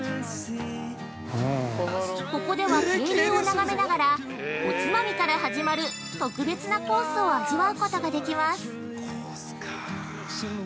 ここでは渓流を眺めながらおつまみから始まる特別なコースを味わうことができます。